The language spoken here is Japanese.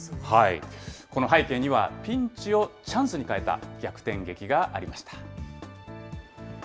この背景には、ピンチをチャンスに変えた逆転劇がありました。